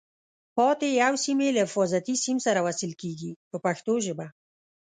پاتې یو سیم یې له حفاظتي سیم سره وصل کېږي په پښتو ژبه.